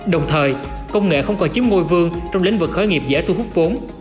đồng thời công nghệ không còn chiếm ngôi vương trong lĩnh vực khởi nghiệp dễ thu hút vốn